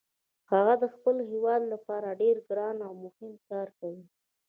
هغه د خپل هیواد لپاره ډیر ګران او مهم کار کوي